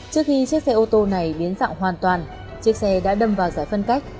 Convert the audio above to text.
trước khi chiếc xe ô tô này biến dạng hoàn toàn chiếc xe đã đâm vào giải phân cách